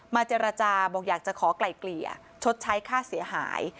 เจรจาบอกอยากจะขอไกล่เกลี่ยชดใช้ค่าเสียหาย